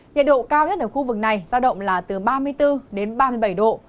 nhiệt độ cao nhất ở khu vực này sau động là từ ba mươi bốn ba mươi bảy độ